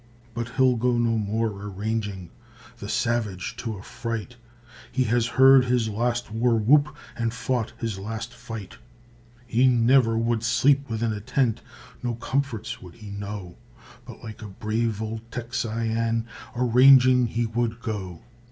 But he'll go no more a ranging, The savage to affright; He has heard his last war whoop, And fought his last fight. He ne'er would sleep within a tent, No comforts would he know; But like a brave old Tex i an, A ranging he would go.